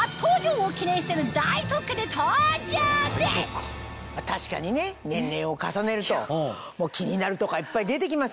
しかも確かにね年齢を重ねると気になるとこはいっぱい出てきますよ。